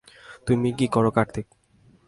তুমি কী করো কার্তিক?